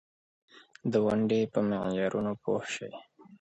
بدخشان د افغانستان د موسم د بدلون سبب کېږي.